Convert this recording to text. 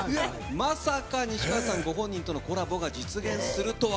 まさか西川さんご本人とのコラボが実現するとは。